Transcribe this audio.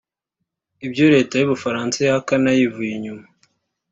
ibyo Leta y’u Bufaransa ihakana yivuye inyuma